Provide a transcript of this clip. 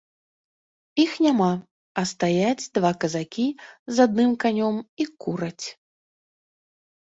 Іх няма, а стаяць два казакі з адным канём і кураць.